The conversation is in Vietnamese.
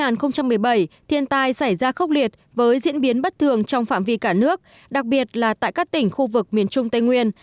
năm hai nghìn một mươi bảy thiên tai xảy ra khốc liệt với diễn biến bất thường trong phạm vi cả nước đặc biệt là tại các tỉnh khu vực miền trung tây nguyên